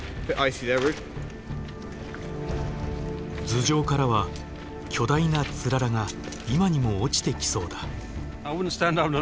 頭上からは巨大な氷柱が今にも落ちてきそうだ。